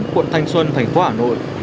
quận thanh xuân thành phố hà nội